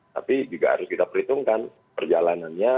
tapi juga harus kita perhitungkan perjalanannya